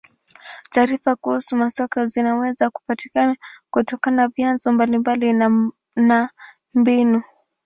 Taarifa kuhusu masoko zinaweza kupatikana kutoka vyanzo mbalimbali na na mbinu.